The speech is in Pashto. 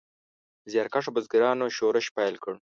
زیارکښو بزګرانو شورش پیل کړ.